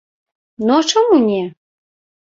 Ну, а чаму не?